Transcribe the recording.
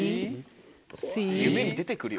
夢に出て来るよ